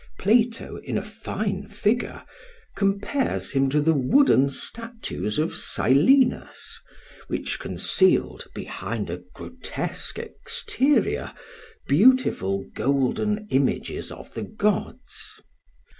Plato, in a fine figure, compares him to the wooden statues of Silenus, which concealed behind a grotesque exterior beautiful golden images of the gods.